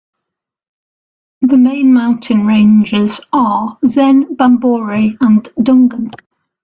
The main mountain ranges are Zen, Bambore and Dungan.